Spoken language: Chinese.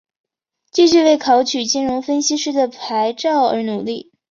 继续为考取金融分析师的牌照而努力。